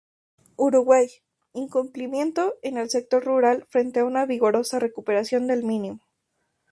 Uruguay: incumplimiento en el sector rural frente una vigorosa recuperación del mínimo.